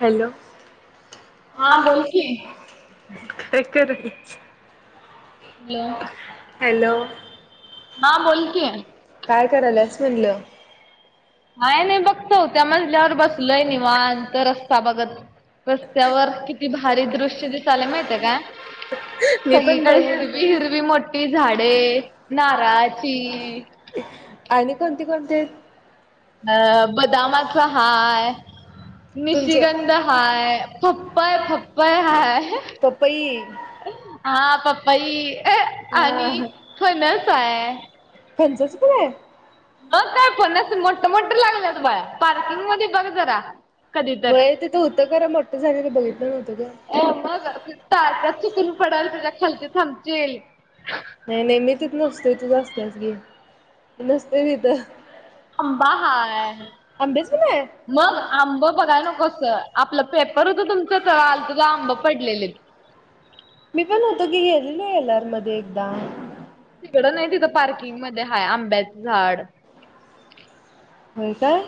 ''Hello'' हा बोल कि, हे र [unintelligible] ''हॅलो'' हं बोल की काय करायलास म्हणलं काय नाही, बघ चौथा मजल्यावर बसलोय निवांत रस्ता बघत ''रस्त्यावर किती भारी दृश्य दिसायलं'' माहिती आहे का? मी पण सगळीकडे बघू हिरवी हिरवी मोठी ती झाडे नारळाची आणि कोणते कोणते? अ बदामाचा हाय तुमचे निशगंध हाय, फप्पई फप्पई हाय पपई हा पप्पाई आणि हा फणस आहे. फणसाच पण आहे? हो काय? फणसच मोठ मोठ लागलेत बया पार्किंगमध्ये बघ जरा कधी तर. 'होय', तिथं होतं खरं मोठं झालेल बघितलं नव्हतं ग हो, मग तारक्यात चिकून पडाल तुझ्या खालचे थांबचे नाही नाही मी तिच नसतेच, तुच असतेच की मी नसते तिथं आंबा हाय, आंबेच पण आहे मग आंब बघाय नकोसं का? आपलं पेपर होत, तुमच्या इथ आलतो तेव्हा आंब पडलेले. मी पण होतो की, गेलेलो एलर मध्ये एकदा तिकडं नाही, तिथं पार्किंग मध्ये हाय आंब्याचं झाड होय काय?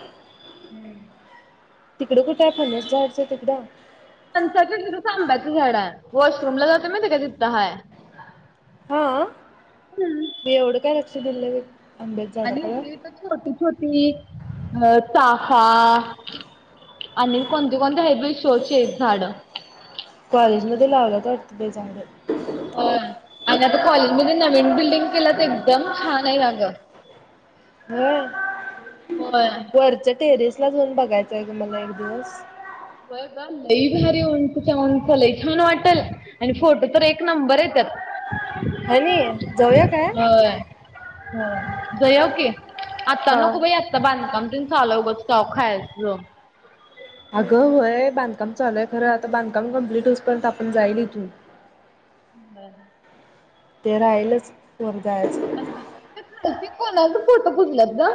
हम्म तिकडं कुठं आहे? फणसच्या झाडाच्या तिकडं फणसा तिथं आंब्याचे झाड आहे वॉशरूमला जातोय माहिती हाय काय तिथ हाय. हा मी एवढं काय लक्ष दिले नाही तिथ, आणि इथे इथ छोटी छोटी अ चाफा, आणि कोणती कोणते हायत बाई शोचे आहेत झाडं. कॉलेजमध्ये लावलेत वाटतं झाड, होय आणि आता कॉलेजमध्ये नवीन बिल्डिंग केलं तर एकदम छान आहे अग. होय वरच्या टेरेस ला जाऊन बघायचंय आहे मला एक दिवस, होय ग लई भारी उंचच्या उंच लई छान वाटेल. आणि फोटो तर एक नंबर येतात. हनी जाऊया काय, हो जायूया की आता न हा नको बाई आधी, तिथ बांधकाम तेन चालू हाय उगाच काव खायच, अगं होय बांधकाम चालूय खरं आता बांधकाम कमप्लीट होतपर्यंत आपण जाईल इथून! [unintelligible] बरं, ते राहिलच वर जायचं, अस ते ते कोल्हापूर,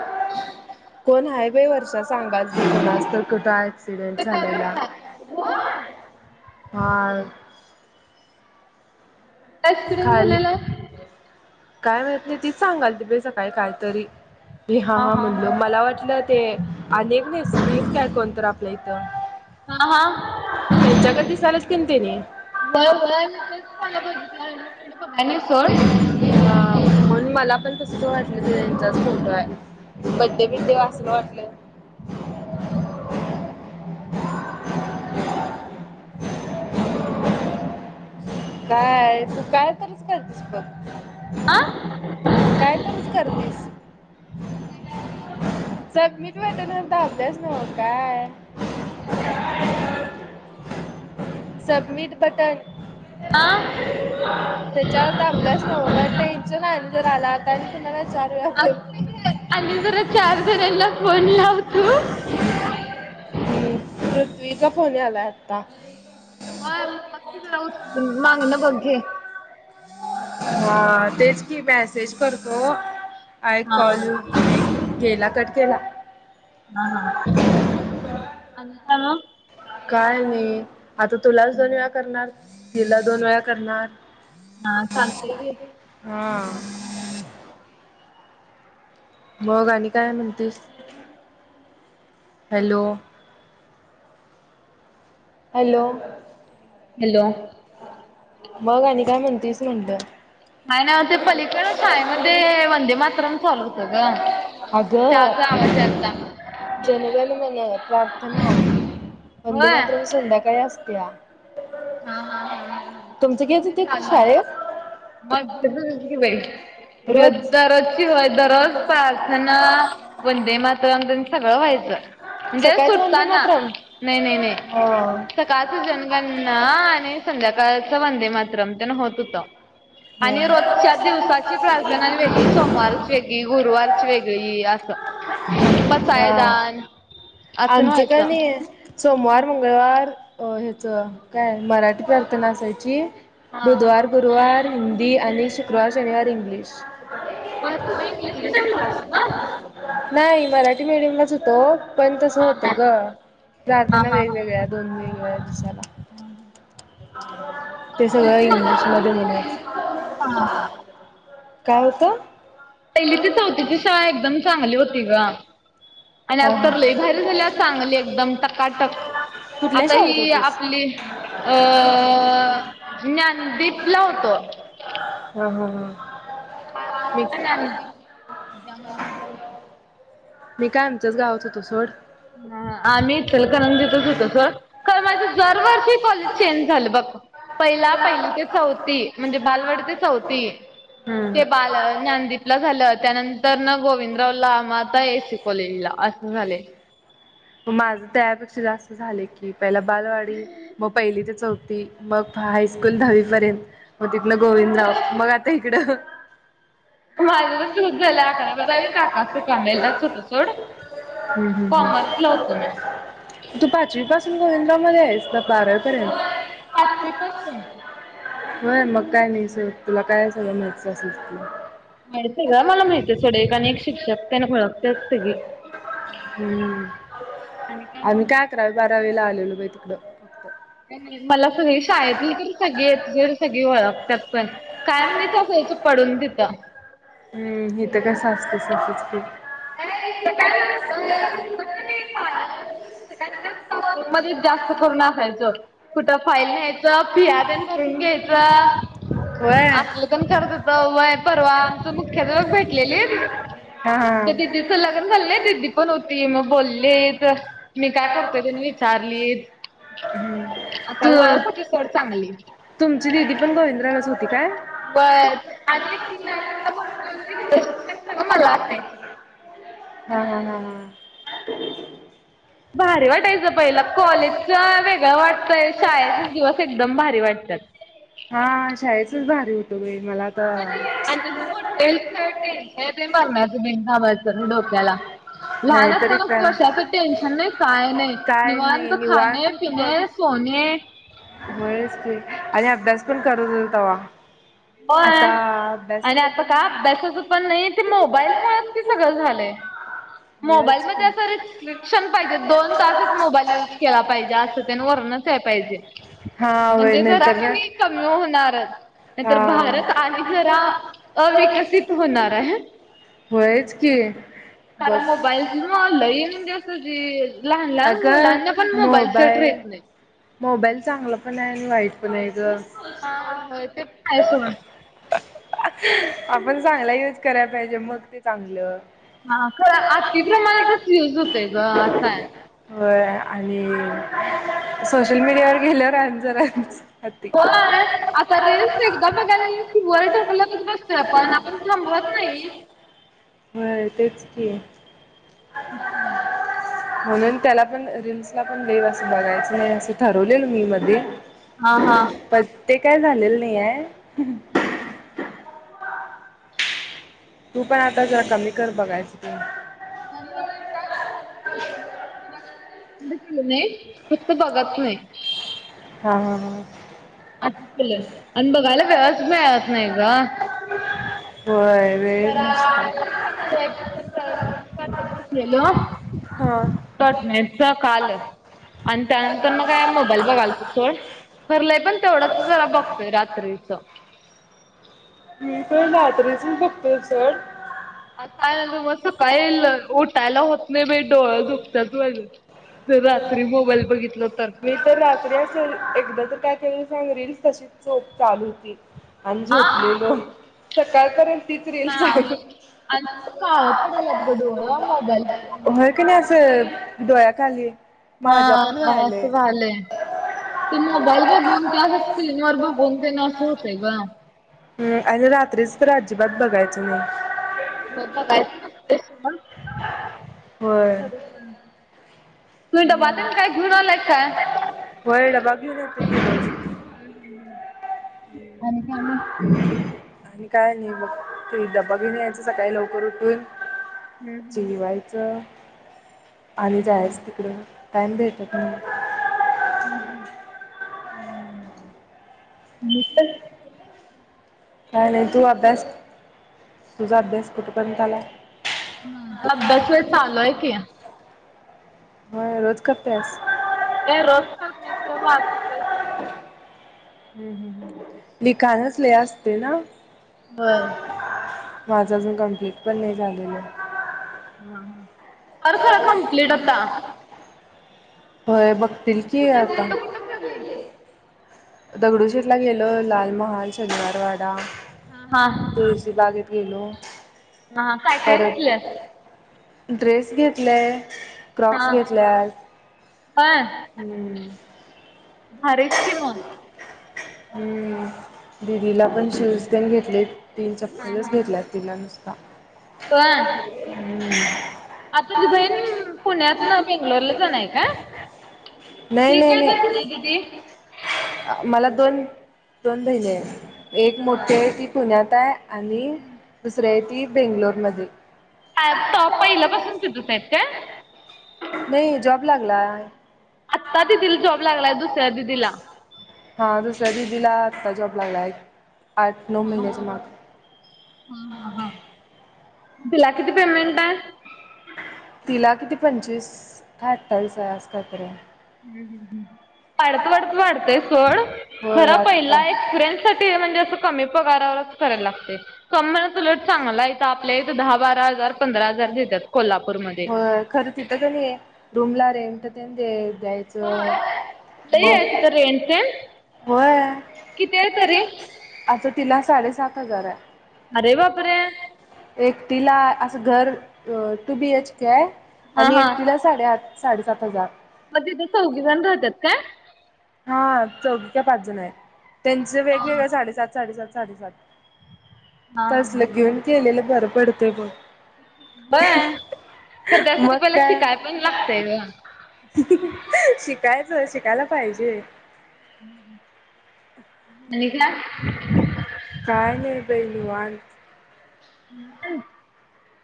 [unintelligible] कोण हायवे वरच्या सांगा जे कोणास तर कुठ ऍक्सिडेंट ते काय तर झालेला, हाय होय कोणमाला कुठे असिसिडेन्ट खाली झालेला हाई, काय माहिती नाही तीच सांगाल ती बे सकाळी कायतरी. मी हा हा म्हणलो मला वाटलं ते अनेक नाही स् काय कोण तर आपल्या इथं, हा हा त्यांच्या गत दिसलेत ते की त्यांनी, होय होय तिथेच पहिला बघितला आणि सोड, हा म्हणून मला पण कस वाटलं तेन चाच फोटो आहे बड्डे बिड्डे असाल वाटलं? [unintelligible] [unintelligible] तू काय तू काय तरीच करतेस बघ आ कायतरीच कर! तस [unintelligible] सबमिट वेटेनन्स चा अभ्यास नव काय, सबमिट बटन, आं हा, विचार दाबल्याच नव्ह मग टेन्शन आलं जर आल तर आता मला चार. वेळा बोल आणि जरा चार जणांना फोन लाव तू, पृथ्वीचा फोन यालाय आता, होय बग जाऊन मागना बघ घे, हा तेच की मेसेज करतो आय कॉल यू बॅक, केला कट केला, हा हा आणि काय मग, काय नाही आता तुलाच दोन वेळा करणार तिला दोन वेळा करणार! ह हम्, मग आणि काय म्हणतेस हॅलो, हॅलो, हॅलो. मग आणि काय म्हणतेस म्हटलं? काय नाही ते पलीकडं शाळेमध्ये वंदे मातरम चालू होत ग. त्याचा आवाज यांलता. जनगणमन प्रार्थना, वंदे होय. मातरम संध्याकाळी असतया. हा हा हा हा हा घेत ते होते चालंय. शाळेत हॉस्पिटलची [unintelligible] की रोज दररोजची होय दररोज प्रार्थना. वंदे मातरम तेन सगळं व्हायचं म्हणजे सकाळचं वंदे सुटताना. मातरम नाही नाही नाही. हा स काळचं जनगणना आणि संध्याकाळचं वंदे मातरम त्यांन होत होतं. आणि रोजच्या दिवसाची प्रार्थना वेगळी, सोमवारची वेगळी, गुरुवारची वेगळी असं. हा पासायदान आमचं का नी सोमवार, मंगळवार अ हेचं काय मराठी प्रार्थना असायची. हा. बुधवार, गुरुवार हिंदी आणि शुक्रवार, शनिवार इंग्लिश. बर तू इंग्लिश मीडियमला होतीस ना? नाही मराठी मीडियमलाच होतो. पण तसं होत गं, प्रार्थना वेगवेगळ्या दोन वेगवेगळ्या दिवसाला. [inaudible] ते सगळ इंग्लिशमध्ये म्हणायचं. हा काय होतं? पहिली ते चौथीची शाळा एकदम चांगली होती गं. आणि हा आता तर हा लई बाहेर झाल्या चांगली एकदम टकाटक, कुठल्या आता शाळेत ही होती आपली अ ज्ञानदीपला होतो. हा हा हा. मी बाळकृष्ण ज्ञानदीप विद्या मंदिरला होतो. मी काय आमच्याचं गावत होतो सोड. हा हा आम्ही इचलकरंजीतचं होतो सोड खर मग दरवर्षी कॉलेज चेंज झालं बघ. पहिला पहिली ते चौथी म्हणजे बालवडी ते चौथी. हम्म ते बाल ज्ञानदीपला झालं, त्यानंतरन गोविंदरावला मग आ ता ए. इ. सी, कॉलेजला आसं झालंय. माझं त्यापेक्षा जास्त झालंय की, पहिला बालवाडी, मग पहिली ते चौथी मग हायस्कूल दहावी पर्यंत, मग तिथनं गोविंदराव मग आता हिकडं. माझं पण तसचं झालं आकरा बारावीत काकासु कांबळेलाचं होतो सोड. हम्म हम्म कॉमर्सला होतो मी. हम्म, तू पाचवी पासून गोविंदराव मध्ये आहेस का बारा वी पर्यंत? होय पाचवी पासून. होय मग काय नाही सोड तुला काय समजलंच असेल की? व्हय सगळं मला माहीत आहे सोड एक आणि एक शिक्षकतेन ओळखत्यात सगळी. हम्म आम्ही काय अकरावी बारावीला आलेलो बाई तिकडं. फक्त काय नाही मला सगळी शाळतील तर सगळी ए टू झेड सगळी ओळ त्यात पण कायम मीच असायचो पडून तिथं. हम्म हित कसं आसतंय तसचं की? [unintelligible] [unintelligible] शिक्षकांच्या स्टाफरूममध्ये जास्त करून आसायचो. कुठं फाईल न्यायचं, फियातेन भरून घ्यायचं. होय आसल तेन करत होतो व्हय परवा आमचं मुख्याध्याप भेटलेलीत‌. हा हा त्या दिदीचं लग्न झालं नाही दिदी पण होती मग बोलीत मी काय करतोय तेन विचारलीत. आता तू ओळख होती सोड चांगली. तुमची दिदी पण गोविंद्रालाच होती काय? व्हय आणि ती [unintelligible] मोठी होती तिज शिक्षक सगळी मला असायची. हा, हा, हा, हा, भारी वाटायचं पहिला कॉलेजच वेगळं वाटतंय शाळेचचं दिवस एकदम भारी वाटतात. हा शाळेचच भारी होत बाई मला आता आणि जसं मोठं होईल तसं टेन्शन येतय मरणाचं बाई बिनकामाचा डोक्याला. लहान नाहीतरी असताना काय कशाच टेन्शन नाही काय नाही काय निवांत नाही खाणे, निवांत होत पिणे, बघ आणि सोने, होयच की आणि अभ्यास पण करत होतव तव्हा. व्हय आणि आता का अभ्यासाच पण नाही ते मोबाईल मूळचं की सगळं झालंय. होयच मोबाईलमध्ये आसं की रिस्ट्रिशन पाहिजे दोन तासच मोबाईल यूज केला पाहिजे असं. सं तेन वरणच या पाहिजे हा होय म्हणजे जरा नंतर ना कनी कमी होणार नाही तर भारत आणि जरा हा अविकसित होणार आहे. होयच की. बघ कारण मोबाईललंही म्हणजे असं जी लहान लहान मुलांना पण मोबाईल सट रे. हो. मोबाईल चांगला पण आहे आणि आहे ग. हा ह ते पण आहे सोड आपण चांगला यूज करायला पाहिजे मग ते चांगलं. हा खरं आती प्रमाणातच युज होतय ग असाय. होय आणि सोशल मीडियावर गेल्यावर आणि जराच. होय ह. [inaudible] आता रील्स एकदा बघायले कि वर ढकलतच बसतोय आपण आपण थांबवत नाही. व्हय तेच की हा. [inaudible] म्हणून त्याला पण रिल्सला पण देव अस बघायचं नाही असं ठरवलं. मी मध्ये हा हा. पण ते काय झालेलं नाही आहे. हम्म. तू पण आता जरा कमी कर बघायचं ते. म केलं अस केलं नाही. [inaudible] तर बघत नाही. हा हा ह. अन बघयला वेळ ची मीळत नाय गं. होय. वेळ जरा नसतो अभ्यासच तर म वाईप पण नोट्स पण कर गेलो. हा. टाॅटेलच काल आणि त्यानंतर मग काय मोबाईल बघाल त सोड. भरलंय पण तेवढंच जला बघतोय रात्रीच. मी पण रात्रीचून बघतो सोड. आता काय ना मग सकाळी उठायला होत नाही. डोळ दुखतात म्हणून. जर रात्री मोबाईल बघितल तर मी तर रात्री असेल, एकदा तर काय तेना सांग रीलस तशीच च चालू होती. आणि झोपलेलो. सकाळ पर्यंत तीच रील चालू. [unintelligible] व्हयं कि नाही असं, दोया हा. हा असं झालेय. त मोबाईल बघून, ते असं स्क्रीन वर बघून ते ना असं होतंय ग. हम्. आणि रात्रीच तर अजिबात बघायचं नाही. [unintelligible] [inaudible] होय तुम्ही डबाते काय घेऊन आलाय काय? व्हयं [unintelligible] [inaudible] काय म्हणते अजून? आणि काय नाही. मग ते डबा घेउन यायचं, सकाळी लवकर उठून हम्म. जेवायचं, आणि जायचं तिकडं. टाईम भेटत नाही हम्म हम्. मी पण काय नाही तू अभ्यास [inaudible] तुझा अभ्यास कुठे पर्यंत आलाय? अभ्यास व्हयं, चालु आहे की. [inaudible] होय रोज करत्यास? नाही [unintelligible] हम्, ह. लिखाणच लय असते ना. व्हयं. माझं अजून कम्प्लेट पण नाही झालेलं. [inaudible] कर कर कमप्लीट आता. होय बघतील की पुण्यात आता. कुठं कुठं फिरलीस? [inaudible] दगडूशेटला गेलो, लाल महाल, शनिवारवाडा हा त बागेत गेलो. हा, काय काय परत घेतलं? ड्रेस घेतले, क्रॉक्स हा घेतल्यात. होय हम्म. [inaudible] भारीच की मग. हम्म. दिदीला पण शूज तेन घेतलेत, तीन हा चप्पलच हा. घेतल्यात. [inaudible] तिला नुसता. होय हम्म. [inaudible] आता तुझी बहीण पुण्यातनं बेंगलोरला जाणार आहे काय? नाही ती नाही काय नाही. दुसरी दीदी? [inaudible] मला दोन, दोन बहिने आहे. एक मोठी आहे ती पुण्यात आहे आणि दुसरी आहे ती बेंगलोरमध्ये. [unintelligible] नाही जॉब लागला. आत्ता दिदीला जॉब लागलाय, दुसऱ्या दिदीला. हा दुसऱ्या दिदिला आत्ता जॉब लागलाय. आठ नऊ ह ह महिन्याच्या माग ह ह ह. तिला किती पेमेंट आहे? तिला किती पंचवीस का, अठ्ठावीस आहे अस काय तरी आहे. [inaudible] वाढत वाढत वाढतंय सोड. होय खर आत्ता पहिला एक [inaudible] म्हणजे असं कमी पगारावरच करायला लागते. क म्हणत उलट चांगला आहे इथ आपल्या इथ दहा बारा हजार पंधरा हजार देतात कोल्हापूरमध्ये. होय खरं तिथं की नाही आहे रूमला रेंट तेन होय द्यायचं. लई मग आहे तिथं रेंट तेन होय. किती आहे तरी आता तिला साडेसात हजार आहे. अरे बापरे. एकटीला असं घर टू बी एचके आहे हा आणि हा एकटीला. साडेआठ साडेसात हजार. मग तिथे चौघी जण राहतात काय? हा चौघी काय पाच जण आहेत त्यांच वेगवेगळ साडेसात साडेसात साडेसात. तसलं घेऊन केलेलं बरं पडते मग. व्हय, खरं त्यासाठी पहिला काय शिकाय पण लागतय ग. शिकायचं शिकायला पाहिजे. आणि काय? काय नाही बाई निवांत. [unintelligible]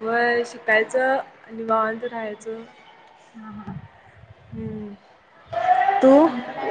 होय शिकायचं आणि निवांत राहायचं. [inaudible] [unintelligible] आणि काय?